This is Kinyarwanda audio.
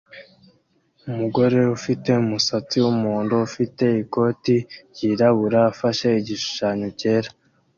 Umugore ufite umusatsi wumuhondo ufite ikoti ryirabura afashe igishusho cyera